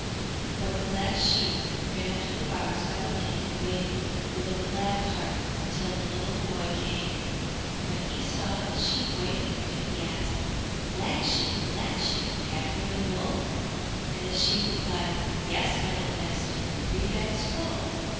But the Black Sheep ran up to the bars by the lane and waited with a glad heart till the little boy came. When he saw the sheep waiting for him he asked, "Black Sheep, Black Sheep, have you any wool?" And the sheep replied, "Yes my little master, three bags full!"